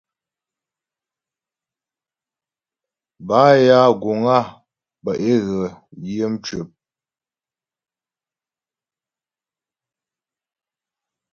Bâ ya guŋ á bə́ é ghə yə̌ cwəp.